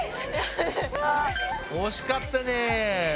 ４２！惜しかったね。